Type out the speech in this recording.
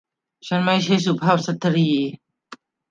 ฉันไม่ใช่สุภาพสตรี